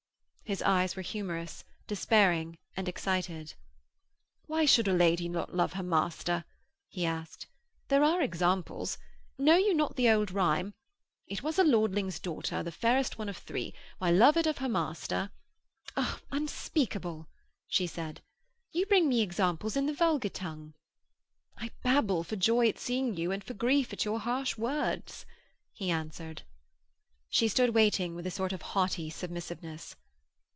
His eyes were humorous, despairing and excited. 'Why should a lady not love her master?' he asked. 'There are examples. Know you not the old rhyme: '"It was a lording's daughter, the fairest one of three, Why lovéd of her master...."' 'Ah, unspeakable!' she said. 'You bring me examples in the vulgar tongue!' 'I babble for joy at seeing you and for grief at your harsh words,' he answered. She stood waiting with a sort of haughty submissiveness.